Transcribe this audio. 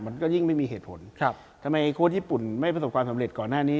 มันก็ยิ่งไม่มีเหตุผลครับทำไมโค้ชญี่ปุ่นไม่ประสบความสำเร็จก่อนหน้านี้